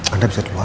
anda bisa keluar